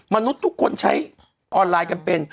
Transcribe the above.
มนุษย์ทุกคนใช้ออนไลน์กันเป็น